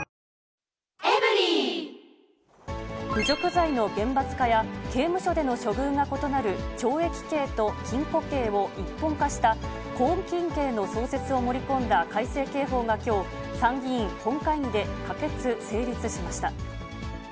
侮辱罪の厳罰化や、刑務所での処遇が異なる懲役刑と禁錮刑を一本化した、拘禁刑の創設を盛り込んだ改正刑法がきょう、参議院本会議で可決・成立しました。